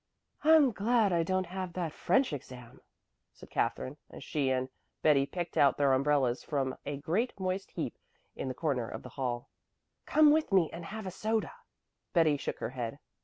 "I'm glad I don't have that French exam.," said Katherine, as she and Betty picked out their umbrellas from a great, moist heap in the corner of the hall. "Come down with me and have a soda." Betty shook her head.